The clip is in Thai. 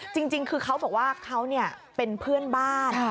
จริงคือเขาบอกว่าเขาเป็นเพื่อนบ้าน